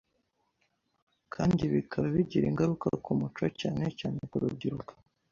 kandi bikaba bigira ingaruka ku muco cyane cyane ku rubyiruko.